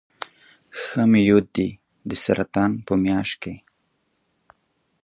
ښه مې یاد دي د سرطان په میاشت کې.